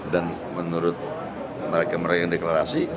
dan menurut mereka yang meraih deklarasi